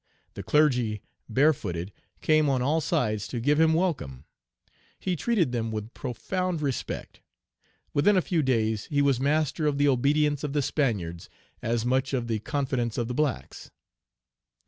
The clergy, barefooted, came on all sides to give him welcome. He treated them with profound respect. Within a few days he was master of the obedience of the Spaniards as much as of the confidence of the blacks.